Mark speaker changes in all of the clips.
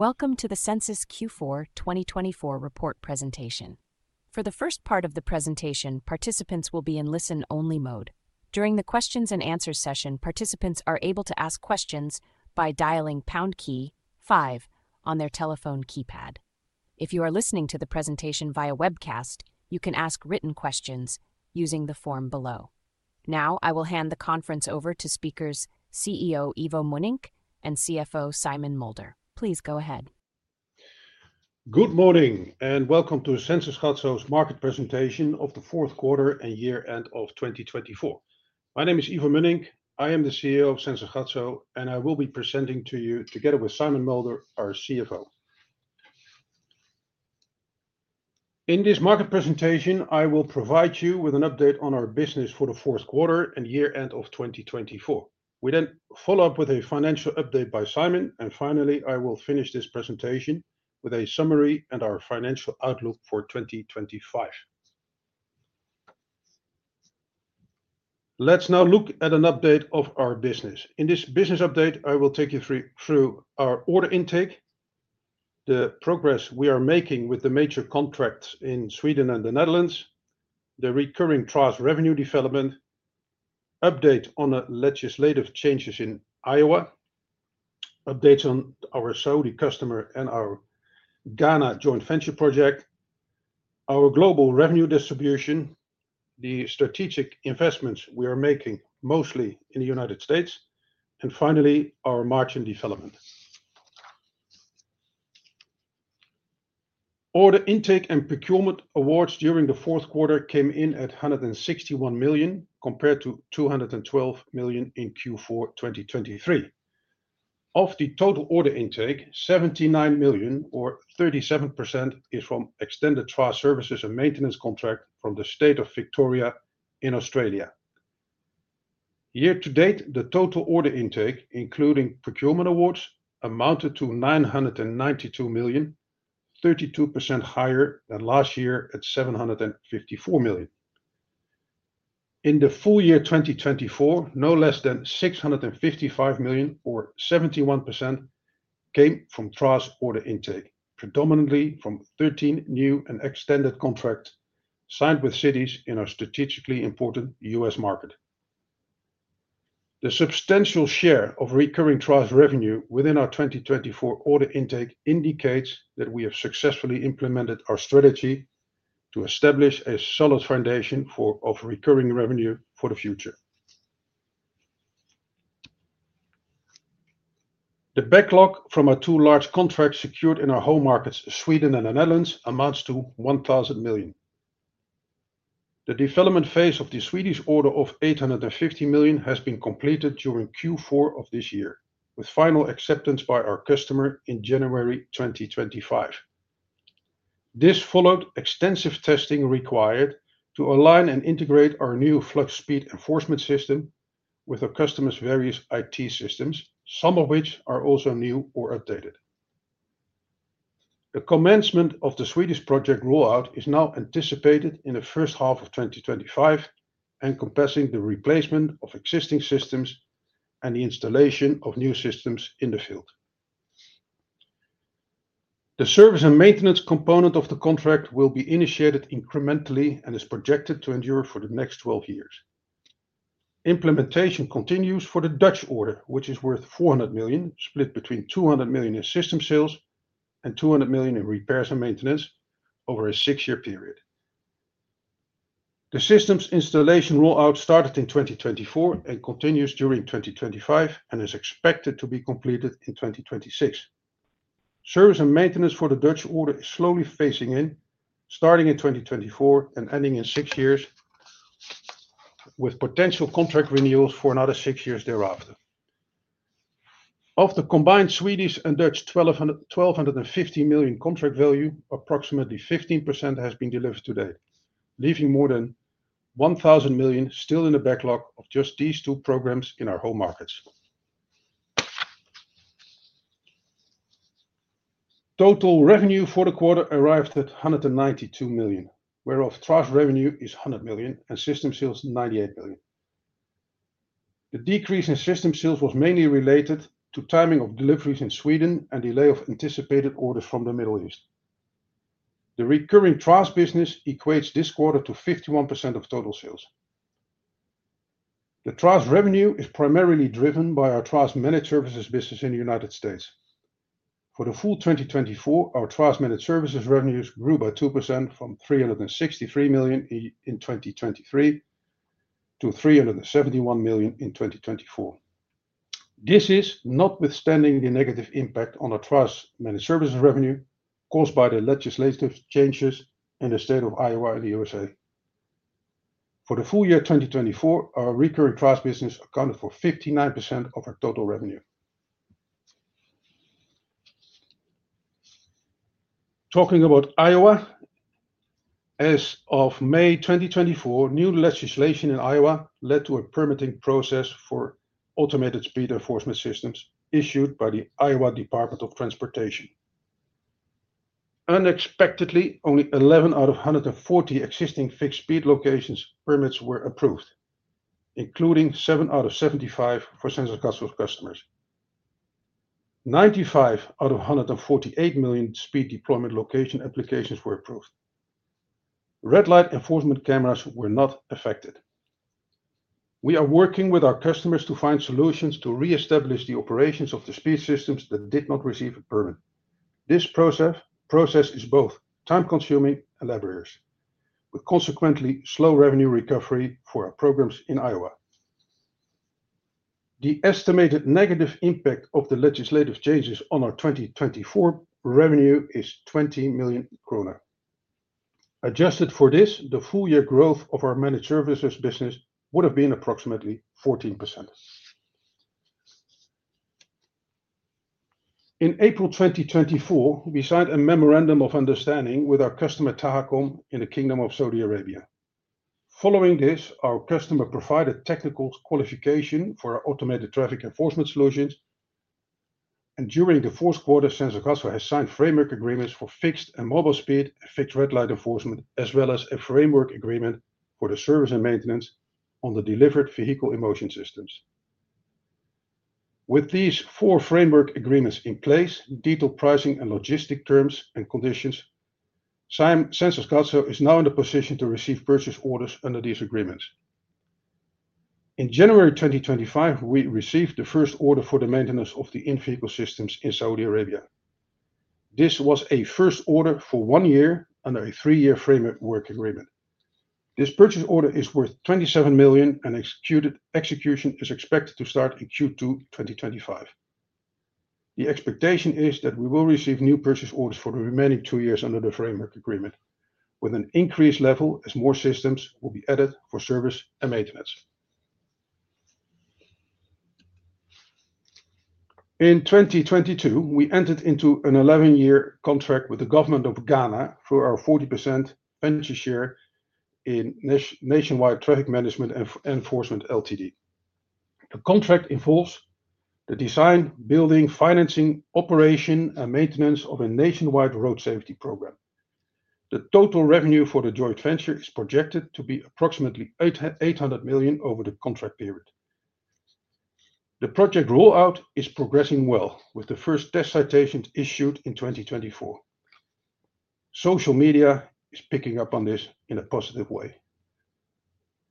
Speaker 1: Welcome to the Sensys Gatso Q4 2024 report presentation. For the first part of the presentation, participants will be in listen-only mode. During the questions-and-answer session, participants are able to ask questions by dialing five on their telephone keypad. If you are listening to the presentation via webcast, you can ask written questions using the form below. Now, I will hand the conference over to CEO, Ivo Mönnink and CFO, Simon Mulder. Please go ahead.
Speaker 2: Good morning, and welcome to Sensys Gatso's market presentation of the fourth quarter and year-end of 2024. My name is Ivo Mönnink, I am the CEO of Sensys Gatso, and I will be presenting to you, together with Simon Mulder, our CFO. In this market presentation, I will provide you with an update on our business for the fourth quarter and year-end of 2024. We then follow up with a financial update by Simon, and finally, I will finish this presentation with a summary and our financial outlook for 2025. Let's now look at an update of our business. In this business update, I will take you through our order intake, the progress we are making with the major contracts in Sweden and the Netherlands, the recurring TRaaS revenue development, updates on legislative changes in Iowa, updates on our Saudi customer and our Ghana joint venture project, our global revenue distribution, the strategic investments we are making mostly in the United States, and finally, our margin development. Order intake and procurement awards during the fourth quarter came in at 161 million, compared to 212 million in Q4 2023. Of the total order intake, 79 million, or 37%, is from extended TRaaS services and maintenance contracts from the state of Victoria in Australia. Year-to-date, the total order intake, including procurement awards, amounted to 992 million, 32% higher than last year at 754 million. In the full year 2024, no less than 655 million, or 71%, came from TRaaS order intake, predominantly from 13 new and extended contracts signed with cities in our strategically important U.S. market. The substantial share of recurring TRaaS revenue within our 2024 order intake indicates that we have successfully implemented our strategy to establish a solid foundation for recurring revenue for the future. The backlog from our two large contracts secured in our home markets, Sweden and the Netherlands, amounts to 1,000 million. The development phase of the Swedish order of 850 million has been completed during Q4 of this year, with final acceptance by our customer in January 2025. This followed extensive testing required to align and integrate our new flux speed enforcement system with our customer's various IT systems, some of which are also new or updated. The commencement of the Swedish project rollout is now anticipated in the first half of 2025, encompassing the replacement of existing systems and the installation of new systems in the field. The service and maintenance component of the contract will be initiated incrementally and is projected to endure for the next 12 years. Implementation continues for the Dutch order, which is worth 400 million, split between 200 million in system sales and 200 million in repairs and maintenance over a six-year period. The system's installation rollout started in 2024 and continues during 2025 and is expected to be completed in 2026. Service and maintenance for the Dutch order is slowly phasing in, starting in 2024 and ending in six years, with potential contract renewals for another six years thereafter. Of the combined Swedish and Dutch 1,250 million contract value, approximately 15% has been delivered today, leaving more than 1,000 million still in the backlog of just these two programs in our home markets. Total revenue for the quarter arrived at 192 million, whereof TRaaS revenue is 100 million and system sales 98 million. The decrease in system sales was mainly related to timing of deliveries in Sweden and delay of anticipated orders from the Middle East. The recurring TRaaS business equates this quarter to 51% of total sales. The TRaaS revenue is primarily driven by our TRaaS managed services business in the United States. For the full 2024, our TRaaS managed services revenues grew by 2% from 363 million in 2023 to 371 million in 2024. This is notwithstanding the negative impact on our TRaaS managed services revenue caused by the legislative changes in the state of Iowa and the U.S. For the full year 2024, our recurring TRaaS business accounted for 59% of our total revenue. Talking about Iowa, as of May 2024, new legislation in Iowa led to a permitting process for automated speed enforcement systems issued by the Iowa Department of Transportation. Unexpectedly, only 11 out of 140 existing fixed speed locations permits were approved, including seven out of 75 for Sensys Gatso's customers. 95 out of 148 million speed deployment location applications were approved. Red-light enforcement cameras were not affected. We are working with our customers to find solutions to reestablish the operations of the speed systems that did not receive a permit. This process is both time-consuming and laborious, with consequently slow revenue recovery for our programs in Iowa. The estimated negative impact of the legislative changes on our 2024 revenue is 20 million kronor. Adjusted for this, the full year growth of our managed services business would have been approximately 14%. In April 2024, we signed a memorandum of understanding with our customer Tahakom in the Kingdom of Saudi Arabia. Following this, our customer provided technical qualification for our automated traffic enforcement solutions, and during the fourth quarter, Sensys Gatso has signed framework agreements for fixed and mobile speed and fixed red-light enforcement, as well as a framework agreement for the service and maintenance on the delivered vehicle access control solutions. With these four framework agreements in place, detailed pricing and logistic terms and conditions, Sensys Gatso is now in the position to receive purchase orders under these agreements. In January 2025, we received the first order for the maintenance of the enforcement systems in Saudi Arabia. This was a first order for one year under a three-year framework agreement. This purchase order is worth 27 million, and execution is expected to start in Q2 2025. The expectation is that we will receive new purchase orders for the remaining two years under the framework agreement, with an increased level as more systems will be added for service and maintenance. In 2022, we entered into an 11-year contract with the government of Ghana for our 40% venture share in Nationwide Traffic Management and Enforcement LTD. The contract involves the design, building, financing, operation, and maintenance of a nationwide road safety program. The total revenue for the joint venture is projected to be approximately 800 million over the contract period. The project rollout is progressing well, with the first test citations issued in 2024. Social media is picking up on this in a positive way.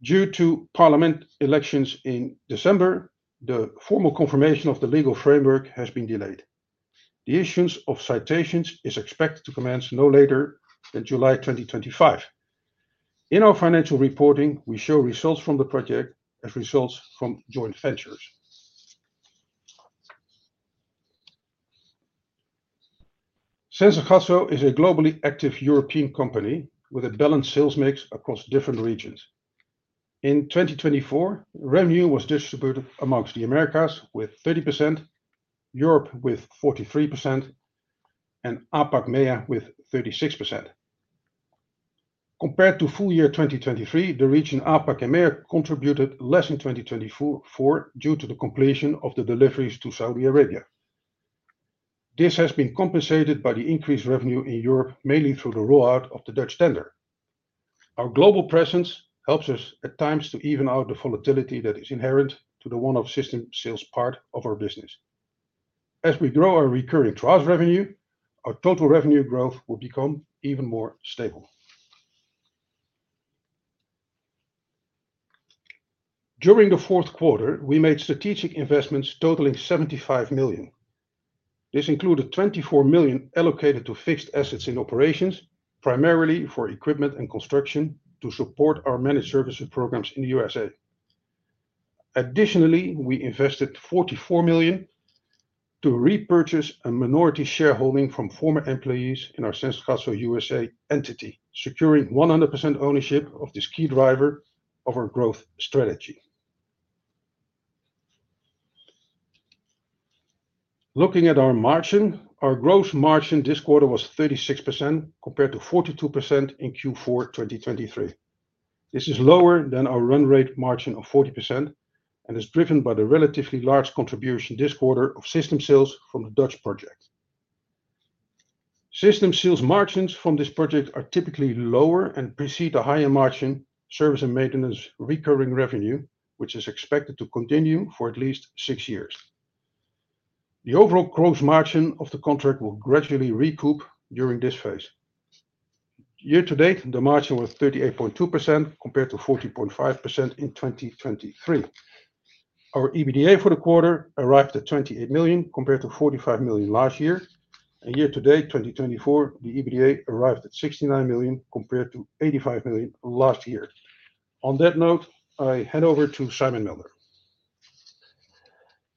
Speaker 2: Due to parliament elections in December, the formal confirmation of the legal framework has been delayed. The issuance of citations is expected to commence no later than July 2025. In our financial reporting, we show results from the project as results from joint ventures. Sensys Gatso is a globally active European company with a balanced sales mix across different regions. In 2024, revenue was distributed amongst the Americas with 30%, Europe with 43%, and APAC MEA with 36%. Compared to full year 2023, the region APAC MEA contributed less in 2024 due to the completion of the deliveries to Saudi Arabia. This has been compensated by the increased revenue in Europe, mainly through the rollout of the Dutch tender. Our global presence helps us at times to even out the volatility that is inherent to the one-off system sales part of our business. As we grow our recurring TRaaS revenue, our total revenue growth will become even more stable. During the fourth quarter, we made strategic investments totaling 75 million. This included 24 million allocated to fixed assets in operations, primarily for equipment and construction to support our managed services programs in the US. Additionally, we invested 44 million to repurchase a minority shareholding from former employees in our Sensys Gatso USA entity, securing 100% ownership of this key driver of our growth strategy. Looking at our margin, our gross margin this quarter was 36% compared to 42% in Q4 2023. This is lower than our run rate margin of 40% and is driven by the relatively large contribution this quarter of system sales from the Dutch project. System sales margins from this project are typically lower and precede the higher margin service and maintenance recurring revenue, which is expected to continue for at least six years. The overall gross margin of the contract will gradually recoup during this phase. Year-to-date, the margin was 38.2% compared to 40.5% in 2023. Our EBITDA for the quarter arrived at 28 million compared to 45 million last year, and year-to-date 2024, the EBITDA arrived at 69 million compared to 85 million last year. On that note, I hand over to Simon Mulder.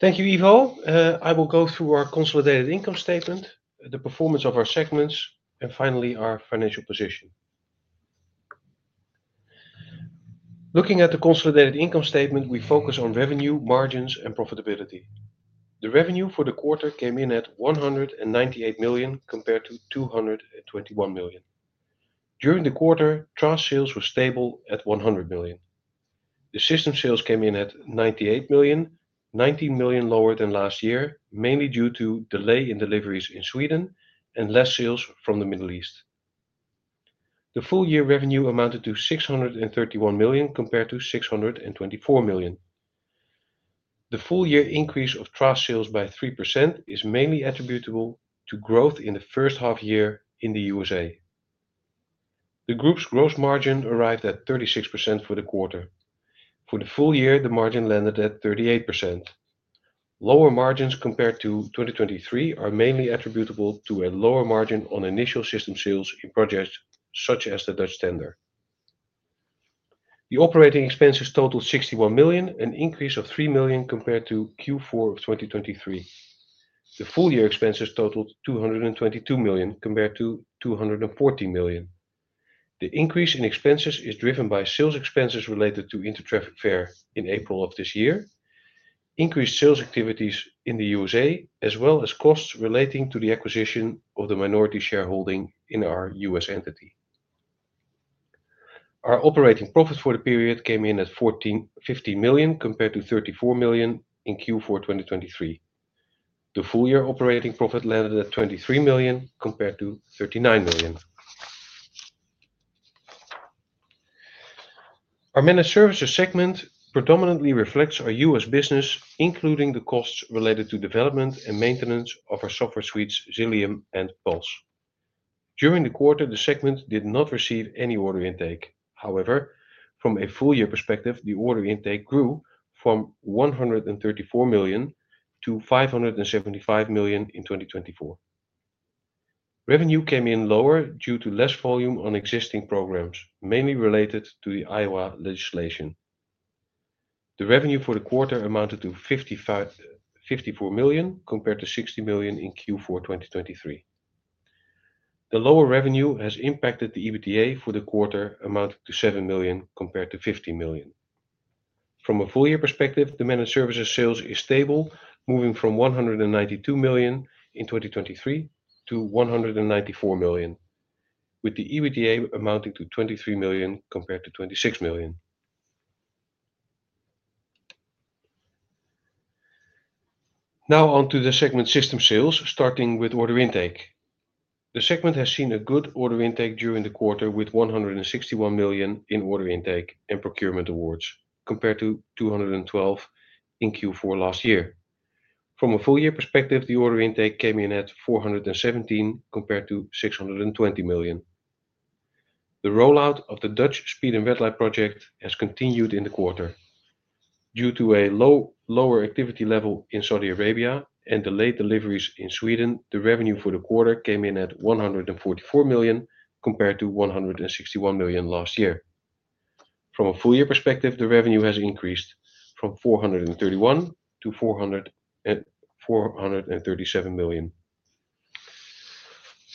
Speaker 3: Thank you, Ivo. I will go through our consolidated income statement, the performance of our segments, and finally our financial position. Looking at the consolidated income statement, we focus on revenue, margins, and profitability. The revenue for the quarter came in at 198 million compared to 221 million. During the quarter, TRaaS sales were stable at 100 million. The system sales came in at 98 million, 19 million lower than last year, mainly due to delay in deliveries in Sweden and less sales from the Middle East. The full-year revenue amounted to 631 million compared to 624 million. The full year increase of TRaaS sales by 3% is mainly attributable to growth in the first half year in the USA. The group's gross margin arrived at 36% for the quarter. For the full year, the margin landed at 38%. Lower margins compared to 2023 are mainly attributable to a lower margin on initial system sales in projects such as the Dutch tender. The operating expenses totaled 61 million, an increase of 3 million compared to Q4 of 2023. The full-year expenses totaled 222 million compared to 214 million. The increase in expenses is driven by sales expenses related to Intertraffic Fair in April of this year, increased sales activities in the U.S., as well as costs relating to the acquisition of the minority shareholding in our U.S. entity. Our operating profit for the period came in at 15 million compared to 34 million in Q4 2023. The full year operating profit landed at 23 million compared to 39 million. Our managed services segment predominantly reflects our U.S. business, including the costs related to development and maintenance of our software suites: Xilium and Puls. During the quarter, the segment did not receive any order intake. However, from a full-year perspective, the order intake grew from 134 million to 575 million in 2024. Revenue came in lower due to less volume on existing programs, mainly related to the Iowa legislation. The revenue for the quarter amounted to 54 million compared to 60 million in Q4 2023. The lower revenue has impacted the EBITDA for the quarter, amounting to 7 million compared to 15 million. From a full-year perspective, the managed services sales is stable, moving from 192 million in 2023 to 194 million, with the EBITDA amounting to 23 million compared to 26 million. Now, on to the segment system sales, starting with order intake. The segment has seen a good order intake during the quarter, with 161 million in order intake and procurement awards compared to 212 million in Q4 last year. From a full-year perspective, the order intake came in at 417 million compared to 620 million. The rollout of the Dutch speed and red-light project has continued in the quarter. Due to a lower activity level in Saudi Arabia and delayed deliveries in Sweden, the revenue for the quarter came in at 144 million compared to 161 million last year. From a full-year perspective, the revenue has increased from 431 million to 437 million.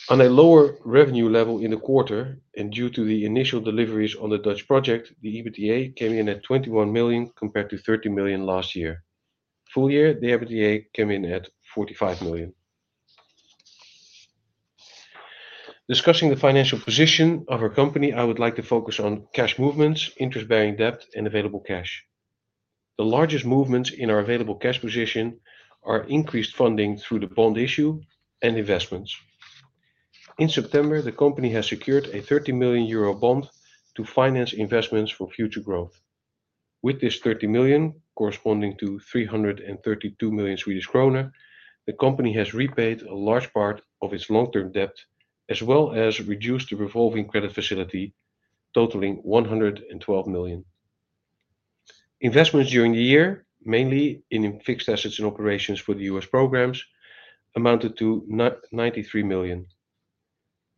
Speaker 3: On a lower revenue level in the quarter, and due to the initial deliveries on the Dutch project, the EBITDA came in at 21 million compared to 30 million last year. Full year, the EBITDA came in at 45 million. Discussing the financial position of our company, I would like to focus on cash movements, interest-bearing debt, and available cash. The largest movements in our available cash position are increased funding through the bond issue and investments. In September, the company has secured a 30 million euro bond to finance investments for future growth. With this 30 million, corresponding to 332 million Swedish kronor, the company has repaid a large part of its long-term debt, as well as reduced the revolving credit facility, totaling 112 million. Investments during the year, mainly in fixed assets and operations for the U.S. programs, amounted to 93 million.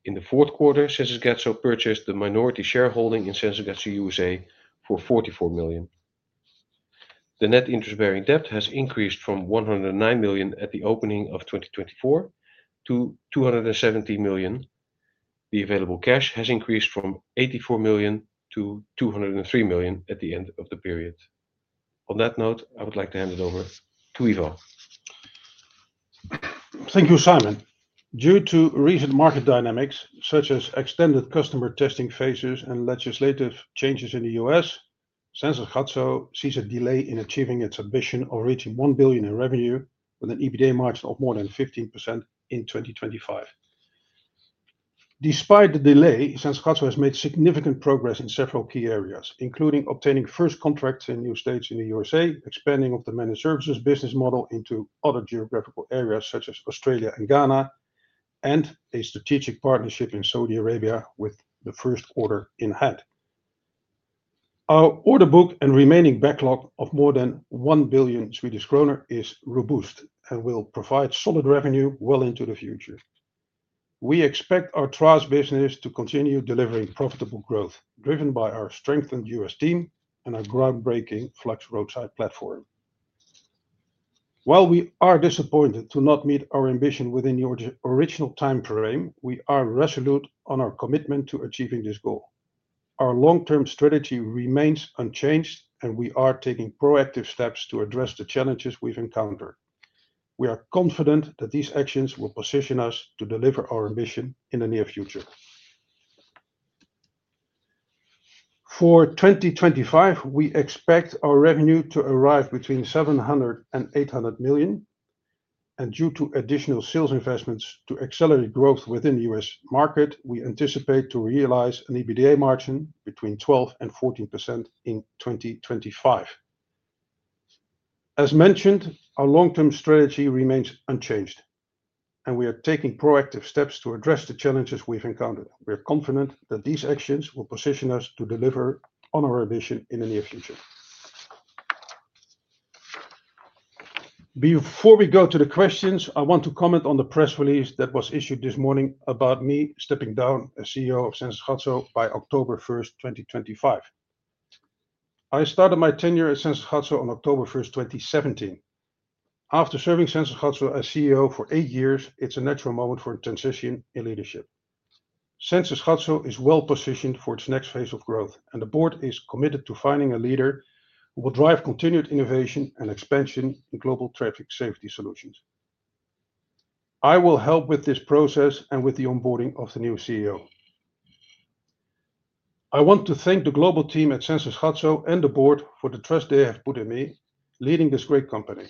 Speaker 3: In the fourth quarter, Sensys Gatso purchased the minority shareholding in Sensys Gatso USA for 44 million. The net interest-bearing debt has increased from 109 million at the opening of 2024 to 217 million. The available cash has increased from 84 million to 203 million at the end of the period. On that note, I would like to hand it over to Ivo.
Speaker 2: Thank you, Simon. Due to recent market dynamics, such as extended customer testing phases and legislative changes in the U.S., Sensys Gatso sees a delay in achieving its ambition of reaching 1 billion in revenue, with an EBITDA margin of more than 15% in 2025. Despite the delay, Sensys Gatso has made significant progress in several key areas, including obtaining first contracts in new states in the U.S., expanding the managed services business model into other geographical areas such as Australia and Ghana, and a strategic partnership in Saudi Arabia with the first quarter in hand. Our order book and remaining backlog of more than 1 billion Swedish kronor is robust and will provide solid revenue well into the future. We expect our TRaaS business to continue delivering profitable growth, driven by our strengthened U.S. team and our groundbreaking Flux roadside platform. While we are disappointed to not meet our ambition within the original time frame, we are resolute on our commitment to achieving this goal. Our long-term strategy remains unchanged, and we are taking proactive steps to address the challenges we've encountered. We are confident that these actions will position us to deliver our ambition in the near future. For 2025, we expect our revenue to arrive between 700 million and 800 million, and due to additional sales investments to accelerate growth within the U.S. market, we anticipate to realize an EBITDA margin between 12%-14% in 2025. As mentioned, our long-term strategy remains unchanged, and we are taking proactive steps to address the challenges we've encountered. We are confident that these actions will position us to deliver on our ambition in the near future. Before we go to the questions, I want to comment on the press release that was issued this morning about me stepping down as CEO of Sensys Gatso by October 1, 2025. I started my tenure at Sensys Gatso on October 1, 2017. After serving Sensys Gatso as CEO for eight years, it's a natural moment for a transition in leadership. Sensys Gatso is well-positioned for its next phase of growth, and the board is committed to finding a leader who will drive continued innovation and expansion in global traffic safety solutions. I will help with this process and with the onboarding of the new CEO. I want to thank the global team at Sensys Gatso and the board for the trust they have put in me in leading this great company.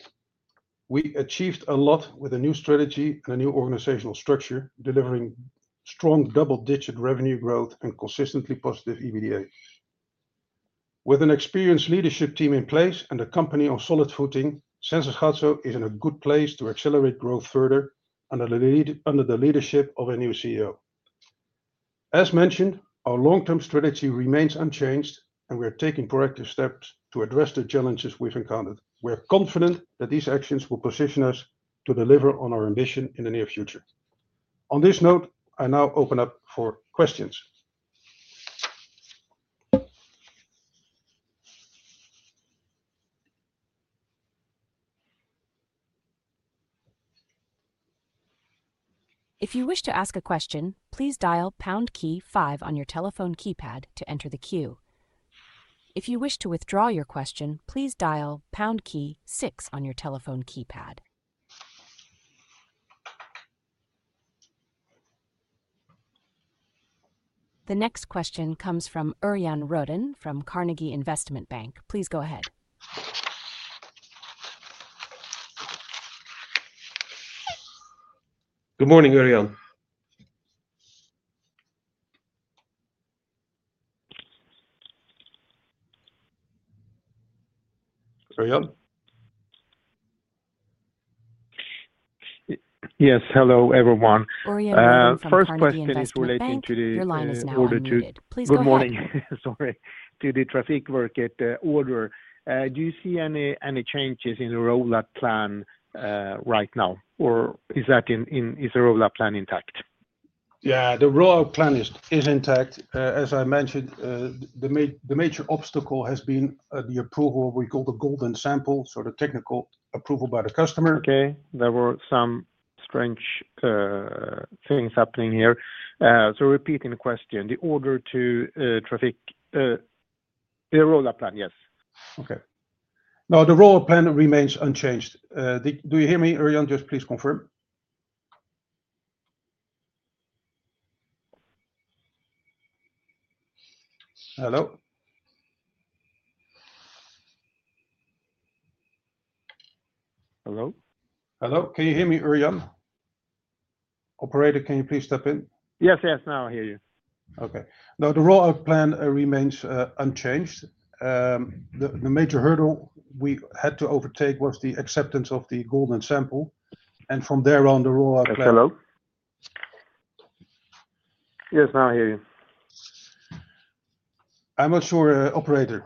Speaker 2: We achieved a lot with a new strategy and a new organizational structure, delivering strong double-digit revenue growth and consistently positive EBITDA. With an experienced leadership team in place and a company on solid footing, Sensys Gatso is in a good place to accelerate growth further under the leadership of a new CEO. As mentioned, our long-term strategy remains unchanged, and we are taking proactive steps to address the challenges we've encountered. We are confident that these actions will position us to deliver on our ambition in the near future. On this note, I now open up for questions.
Speaker 1: If you wish to ask a question, please dial pound key five on your telephone keypad to enter the queue. If you wish to withdraw your question, please dial pound key six on your telephone keypad. The next question comes from Örjan Rödén from Carnegie Investment Bank. Please go ahead.
Speaker 2: Good morning, Örjan. Örjan?
Speaker 4: Yes, hello, everyone.
Speaker 1: Örjan is from Carnegie Investment Bank. Your line is now open
Speaker 4: First question is relating to the order to. Good morning. Sorry. To the traffic market order. Do you see any changes in the rollout plan right now, or is the rollout plan intact?
Speaker 2: Yeah, the rollout plan is intact. As I mentioned, the major obstacle has been the approval we call the golden sample, so the technical approval by the customer.
Speaker 4: Okay, there were some strange things happening here. Repeating the question, the order to traffic the rollout plan, yes.
Speaker 2: No, the rollout plan remains unchanged. Do you hear me, Örjan? Just please confirm. Hello?
Speaker 4: Hello?
Speaker 2: Hello? Can you hear me, Örjan? Operator, can you please step in?
Speaker 4: Yes, yes, now I hear you.
Speaker 2: No, the rollout plan remains unchanged. The major hurdle we had to overtake was the acceptance of the golden sample, and from there on the rollout plan
Speaker 4: Hello? Yes, now I hear you.
Speaker 2: I'm not sure, Operator.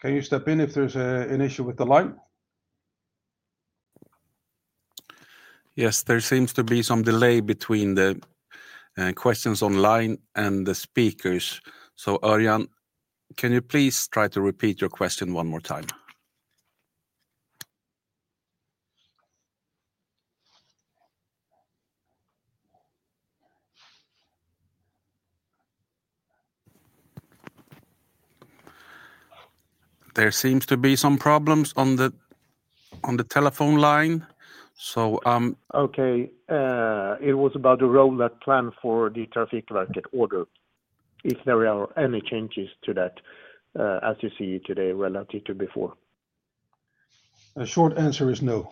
Speaker 2: Can you step in if there's an issue with the line?
Speaker 1: Yes, there seems to be some delay between the questions online and the speakers. Örjan, can you please try to repeat your question one more time? There seems to be some problems on the telephone line.
Speaker 4: Okay. It was about the rollout plan for the traffic market order, if there are any changes to that, as you see today relative to before.
Speaker 2: The short answer is no.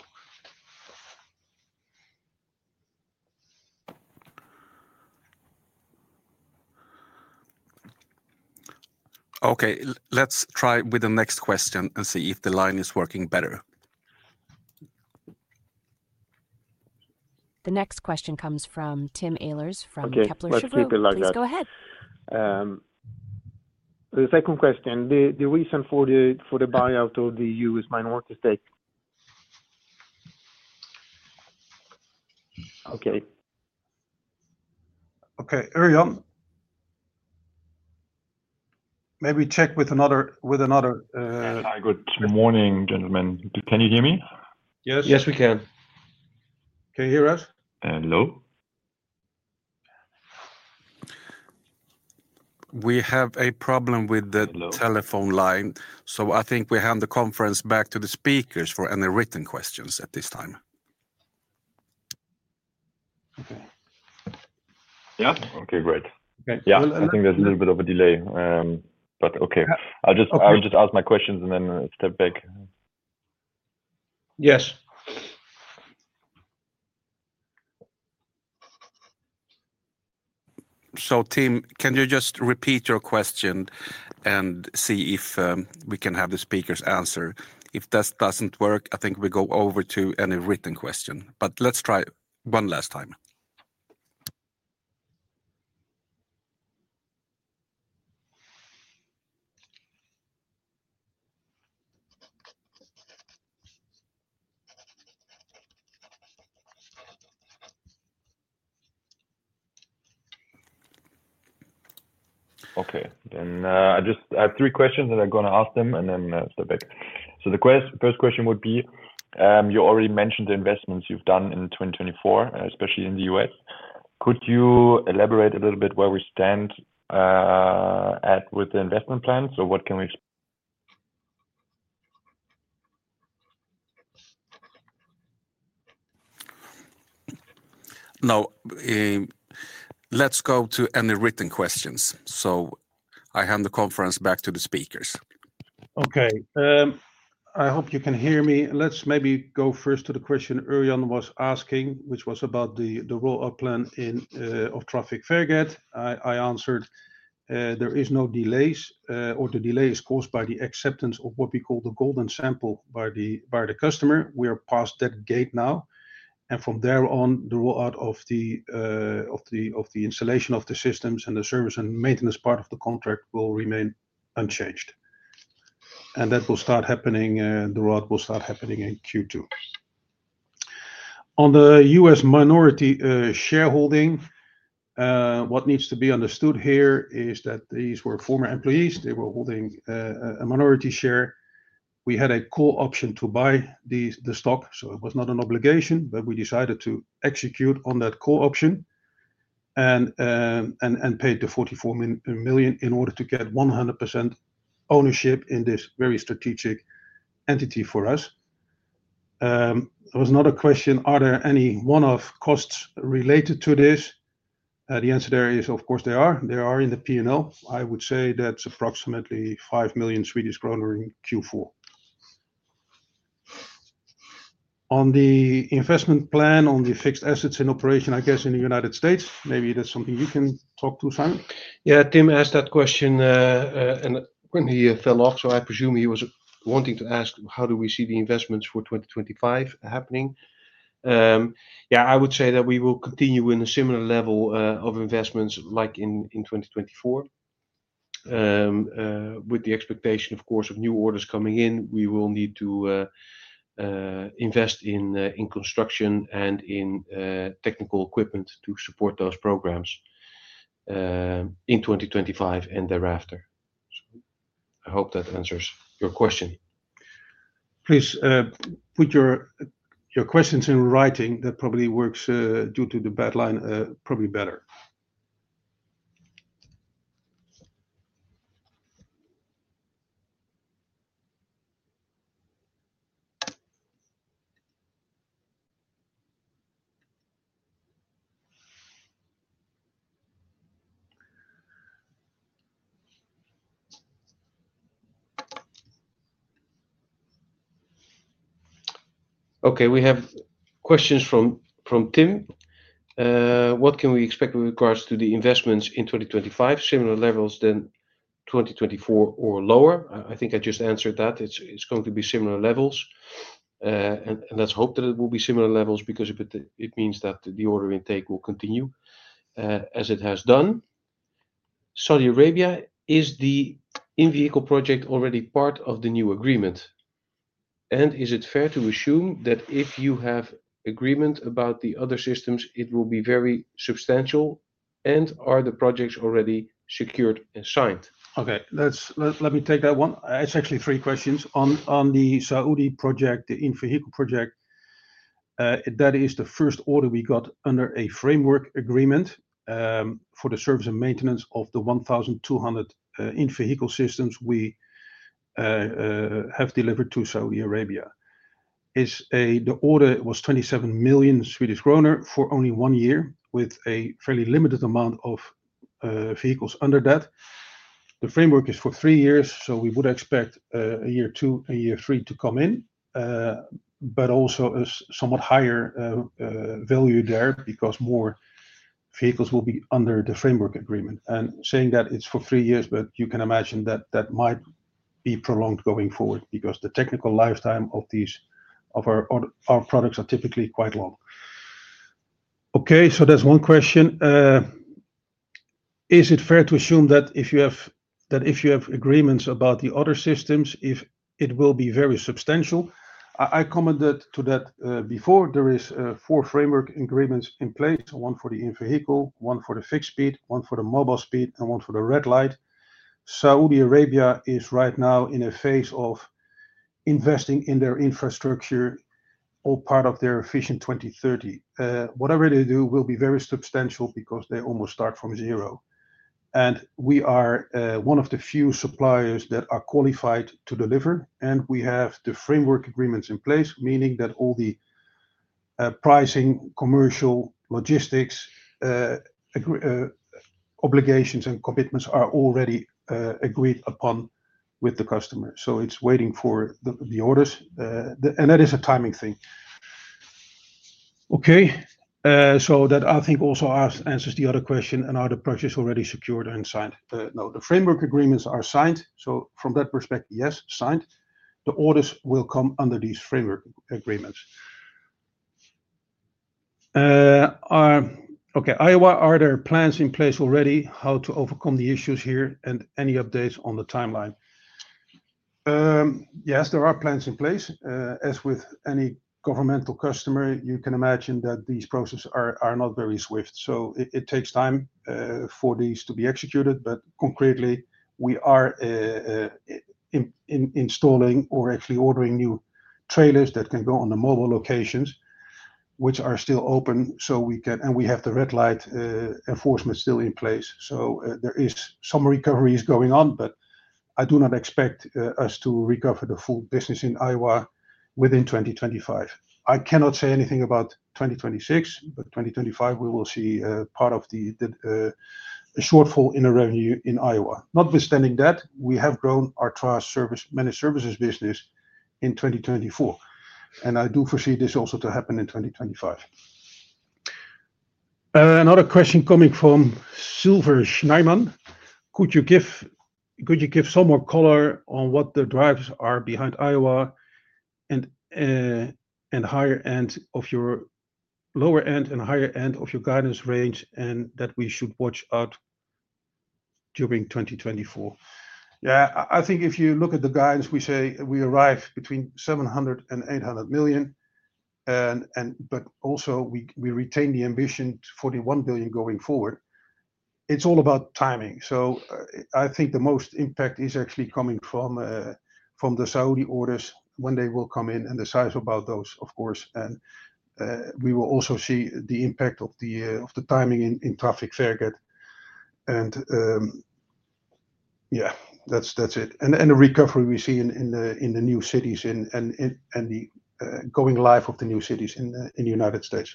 Speaker 1: Okay, let's try with the next question and see if the line is working better. The next question comes from Tim Ehlers from Kepler Cheuvreux.
Speaker 4: Okay, let's keep it like that.
Speaker 1: Please go ahead.
Speaker 4: The second question, the reason for the buyout of the U.S. minority stake.
Speaker 2: Okay. Okay, Örjan. Maybe check with another.
Speaker 5: Hello, good morning, gentlemen. Can you hear me?
Speaker 2: Yes, we can.
Speaker 3: Can you hear us?
Speaker 5: Hello.
Speaker 1: We have a problem with the telephone line, so I think we hand the conference back to the speakers for any written questions at this time.
Speaker 5: Okay. Yeah? Okay, great. Yeah, I think there's a little bit of a delay, but okay. I'll just ask my questions and then step back.
Speaker 3: Yes.
Speaker 1: Tim, can you just repeat your question and see if we can have the speakers answer? If that doesn't work, I think we go over to any written question, but let's try one last time.
Speaker 5: Okay, I have three questions that I'm going to ask them and then step back. The first question would be, you already mentioned the investments you've done in 2024, especially in the U.S. Could you elaborate a little bit where we stand with the investment plans, or what can we.
Speaker 1: Now, let's go to any written questions. I hand the conference back to the speakers.
Speaker 2: Okay. I hope you can hear me. Let's maybe go first to the question Örjan was asking, which was about the rollout plan of traffic fair gate. I answered there are no delays, or the delay is caused by the acceptance of what we call the golden sample by the customer. We are past that gate now, and from there on, the rollout of the installation of the systems and the service and maintenance part of the contract will remain unchanged. That will start happening; the rollout will start happening in Q2. On the U.S. minority shareholding, what needs to be understood here is that these were former employees. They were holding a minority share. We had a call option to buy the stock, so it was not an obligation, but we decided to execute on that call option and paid 44 million in order to get 100% ownership in this very strategic entity for us. There was another question: are there any one-off costs related to this? The answer there is, of course, there are. There are in the P&L. I would say that's approximately 5 million Swedish kronor in Q4. On the investment plan, on the fixed assets in operation, I guess in the United States, maybe that's something you can talk to, Simon?
Speaker 3: Yeah, Tim asked that question, and he fell off, so I presume he was wanting to ask how do we see the investments for 2025 happening. Yeah, I would say that we will continue in a similar level of investments like in 2024, with the expectation, of course, of new orders coming in. We will need to invest in construction and in technical equipment to support those programs in 2025 and thereafter. I hope that answers your question.
Speaker 2: Please put your questions in writing. That probably works due to the bad line, probably better.
Speaker 3: Okay, we have questions from Tim. What can we expect with regards to the investments in 2025? Similar levels than 2024 or lower? I think I just answered that. It's going to be similar levels, and let's hope that it will be similar levels because it means that the order intake will continue as it has done. Saudi Arabia, is the in-vehicle project already part of the new agreement? Is it fair to assume that if you have agreement about the other systems, it will be very substantial? Are the projects already secured and signed?
Speaker 2: Okay, let me take that one. It's actually three questions. On the Saudi project, the in-vehicle project, that is the first order we got under a framework agreement for the service and maintenance of the 1,200 in-vehicle systems we have delivered to Saudi Arabia. The order was 27 million Swedish kronor for only one year, with a fairly limited amount of vehicles under that. The framework is for three years, so we would expect year two and year three to come in, but also a somewhat higher value there because more vehicles will be under the framework agreement. It is for three years, but you can imagine that that might be prolonged going forward because the technical lifetime of our products is typically quite long. Okay, so that is one question. Is it fair to assume that if you have agreements about the other systems, it will be very substantial? I commented to that before. There are four framework agreements in place: one for the in-vehicle, one for the fixed speed, one for the mobile speed, and one for the red light. Saudi Arabia is right now in a phase of investing in their infrastructure, all part of their Vision 2030. Whatever they do will be very substantial because they almost start from zero. We are one of the few suppliers that are qualified to deliver, and we have the framework agreements in place, meaning that all the pricing, commercial, logistics obligations, and commitments are already agreed upon with the customer. It is waiting for the orders, and that is a timing thing. I think that also answers the other question: are the projects already secured and signed? No, the framework agreements are signed. From that perspective, yes, signed. The orders will come under these framework agreements. lowa, are there plans in place already? How to overcome the issues here and any updates on the timeline? Yes, there are plans in place. As with any governmental customer, you can imagine that these processes are not very swift, so it takes time for these to be executed. But concretely, we are installing or actually ordering new trailers that can go on the mobile locations, which are still open, and we have the red-light enforcement still in place. There are some recoveries going on, but I do not expect us to recover the full business in Iowa within 2025. I cannot say anything about 2026, but 2025, we will see part of the shortfall in revenue in Iowa. Notwithstanding that, we have grown our managed services business in 2024, and I do foresee this also to happen in 2025.
Speaker 1: Another question coming from Silver Schneimann: could you give some more color on what the drivers are behind Iowa and the higher end of your lower end and higher end of your guidance range, and that we should watch out during 2024?
Speaker 2: Yeah, I think if you look at the guidance, we say we arrive between 700 million and 800 million, but also we retain the ambition for the 1 billion going forward. It's all about timing. I think the most impact is actually coming from the Saudi orders when they will come in and the size of those, of course. We will also see the impact of the timing in traffic fare gate. Yeah, that's it. The recovery we see in the new cities and the going live of the new cities in the United States.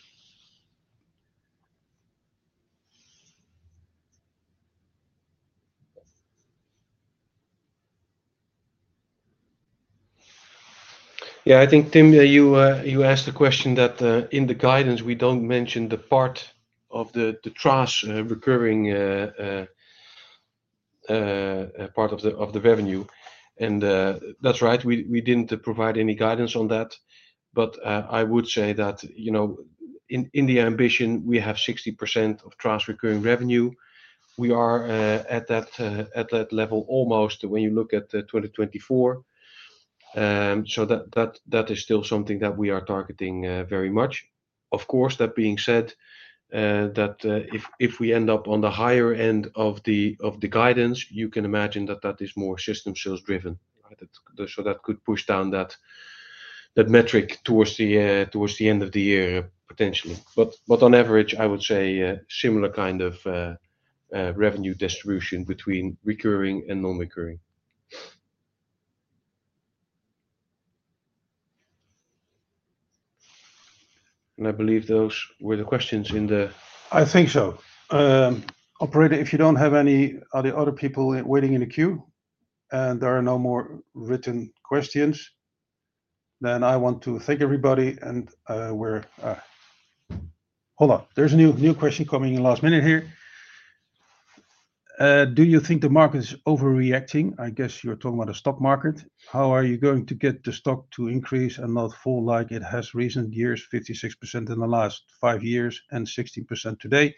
Speaker 3: Yeah, I think, Tim, you asked the question that in the guidance, we don't mention the part of the TRaaS recurring part of the revenue. That's right. We didn't provide any guidance on that, but I would say that in the ambition, we have 60% of TRaaS recurring revenue. We are at that level almost when you look at 2024. That is still something that we are targeting very much. Of course, that being said, if we end up on the higher end of the guidance, you can imagine that is more system sales driven. That could push down that metric towards the end of the year, potentially. On average, I would say similar kind of revenue distribution between recurring and non-recurring.
Speaker 1: I believe those were the questions in the—
Speaker 2: I think so. Operator, if you do not have any other people waiting in the queue and there are no more written questions, then I want to thank everybody. Hold on. There is a new question coming in last minute here. Do you think the market is overreacting? I guess you are talking about the stock market. How are you going to get the stock to increase and not fall like it has in recent years, 56% in the last five years, and 16% today?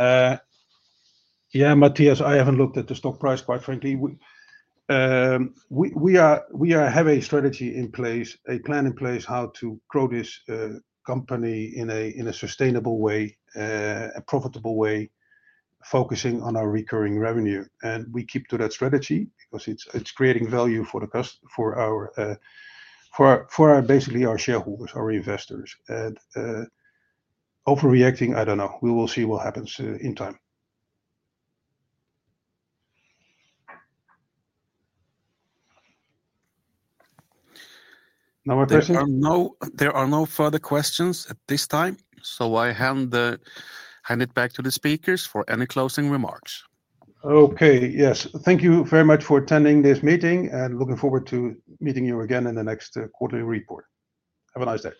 Speaker 2: Yeah, Matthias, I haven't looked at the stock price, quite frankly. We have a strategy in place, a plan in place how to grow this company in a sustainable way, a profitable way, focusing on our recurring revenue. We keep to that strategy because it's creating value for basically our shareholders, our investors. Overreacting, I don't know. We will see what happens in time. No more questions?
Speaker 1: There are no further questions at this time, so I hand it back to the speakers for any closing remarks.
Speaker 2: Okay, yes. Thank you very much for attending this meeting, and looking forward to meeting you again in the next quarterly report. Have a nice day.